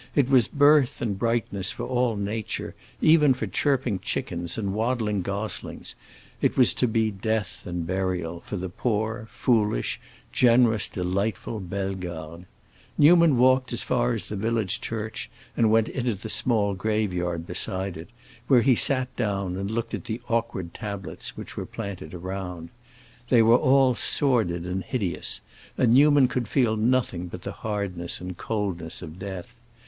It was birth and brightness for all nature, even for chirping chickens and waddling goslings, and it was to be death and burial for poor, foolish, generous, delightful Bellegarde. Newman walked as far as the village church, and went into the small graveyard beside it, where he sat down and looked at the awkward tablets which were planted around. They were all sordid and hideous, and Newman could feel nothing but the hardness and coldness of death.